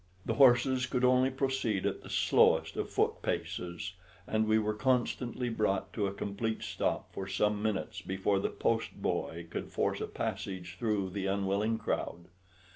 The horses could only proceed at the slowest of foot paces, and we were constantly brought to a complete stop for some minutes before the post boy could force a passage through the unwilling crowd.